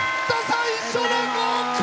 最初の合格！